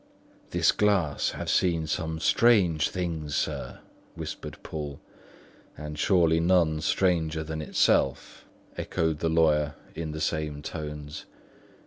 "This glass has seen some strange things, sir," whispered Poole. "And surely none stranger than itself," echoed the lawyer in the same tones.